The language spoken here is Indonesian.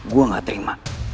gue gak terima